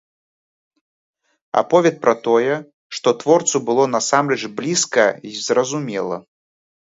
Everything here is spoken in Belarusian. Аповед пра тое, што творцу было насамрэч блізка й зразумела.